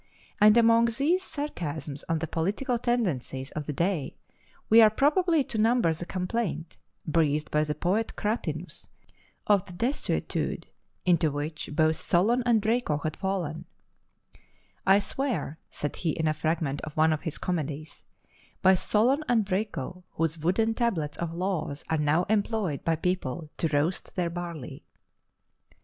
And among these sarcasms on the political tendencies of the day we are probably to number the complaint, breathed by the poet Cratinus, of the desuetude into which both Solon and Draco had fallen "I swear (said he in a fragment of one of his comedies) by Solon and Draco, whose wooden tablets (of laws) are now employed by people to roast their barley."